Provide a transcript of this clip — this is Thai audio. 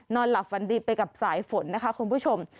นอนหลับฝันดีไปกับสายฝนนะคะคุณผู้ชม